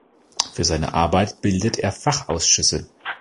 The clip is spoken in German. Für seine Arbeit bildet er Fachausschüsse.